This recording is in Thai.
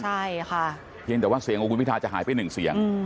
ใช่ค่ะเพียงแต่ว่าเสียงของคุณพิทาจะหายไปหนึ่งเสียง